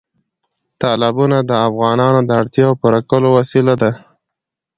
تالابونه د افغانانو د اړتیاوو پوره کولو وسیله ده.